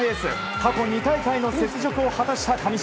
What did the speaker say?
過去２大会の雪辱を果たした上地。